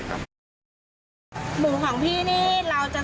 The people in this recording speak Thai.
ซื้อเขียงใหญ่ซื้อจ้าวใหญ่คือเราไม่ได้ซื้อจ้าวเล็กจ้ะ